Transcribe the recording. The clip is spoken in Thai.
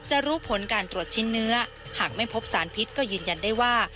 รู้ผลการตรวจชิ้นเนื้อหากไม่พบสารพิษก็ยืนยันได้ว่า